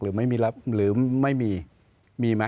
หรือไม่มีรับหรือไม่มีมีไหม